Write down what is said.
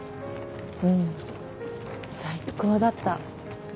うん最高だった。